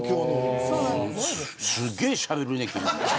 すげえしゃべるね、君。